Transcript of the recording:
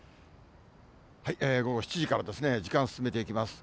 午後７時からですね、時間進めていきます。